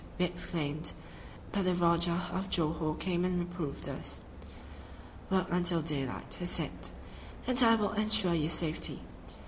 we exclaimed, but the Rajah of Johore came and reproved us. "Work until daylight," he said, "and I will ensure your safety."